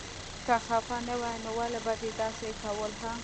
که خفه نه وې نو ولې به دې داسې کول هه.